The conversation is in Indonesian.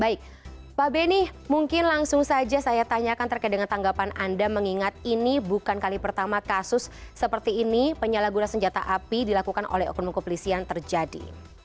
baik pak beni mungkin langsung saja saya tanyakan terkait dengan tanggapan anda mengingat ini bukan kali pertama kasus seperti ini penyalahgunaan senjata api dilakukan oleh oknum kepolisian terjadi